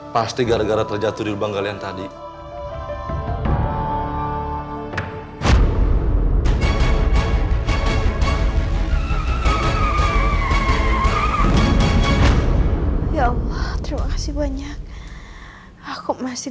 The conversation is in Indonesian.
pasti gara gara terjatuh di banggalian tadi ya allah terima kasih banyak aku masih